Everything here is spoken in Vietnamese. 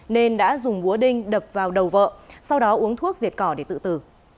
nên đã dùng búa đinh đập vào đầu vợ sau đó uống thuốc diệt cỏ để tự tử